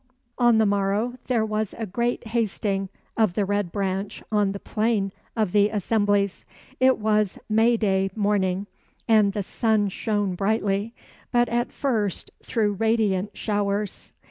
II On the morrow there was a great hasting of the Red Branch on the plain of the assemblies. It was May day morning and the sun shone brightly, but at first through radiant showers.